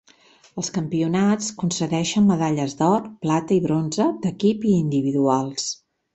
Els campionats concedeixen medalles d'or, plata i bronze d'equip i individuals.